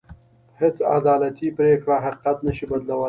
هېڅ عدالتي پرېکړه حقيقت نه شي بدلولی.